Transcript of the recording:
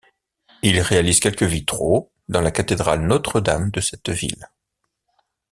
Il réalise quelques vitraux dans la cathédrale Notre-Dame de cette ville.